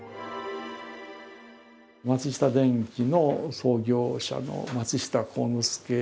松下電器の創業者の松下幸之助。